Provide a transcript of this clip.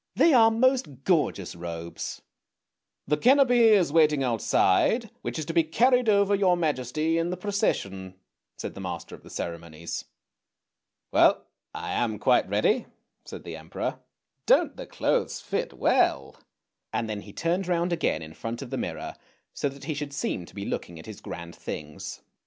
They are most gorgeous robes! "" The canopy is waiting outside which is to be carried over 222 ANDERSEN'S FAIRY TALES your majesty in the procession," said the master of the ceremonies. " Well, I am quite ready," said the Emperor. " Don't the clothes fit well? " and then he turned round again in front of the mirror, so that he should seem to be looking at his grand things.